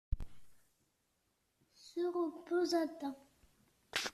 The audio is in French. Se repose à temps.